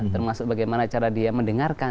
termasuk bagaimana cara dia mendengarkan